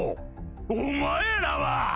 お前らは。